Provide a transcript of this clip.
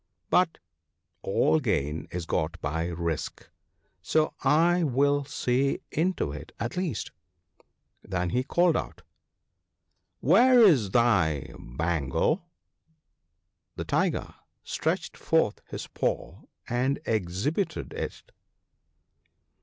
"" But all gain is got by risk, so I will see into it at least ;" then he called out, " Where is thy bangle ?" The Tiger stretched forth his paw and exhibited it.